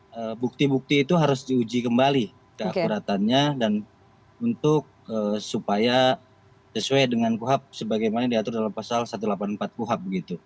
nah bukti bukti itu harus diuji kembali keakuratannya dan untuk supaya sesuai dengan kuhap sebagaimana diatur dalam pasal satu ratus delapan puluh empat kuhab begitu